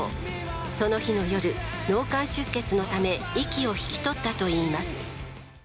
その日の夜、脳幹出血のため息を引き取ったといいます。